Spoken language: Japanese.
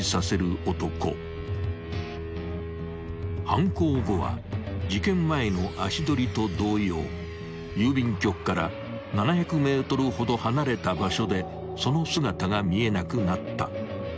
［犯行後は事件前の足取りと同様郵便局から７００ｍほど離れた場所でその姿が見えなくなった］